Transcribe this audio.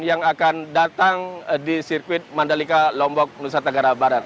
yang akan datang di sirkuit mandalika lombok nusa tenggara barat